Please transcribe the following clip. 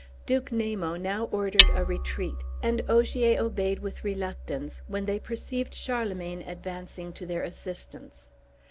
Duke Namo now ordered a retreat, and Ogier obeyed with reluctance, when they perceived Charlemagne advancing to their assistance.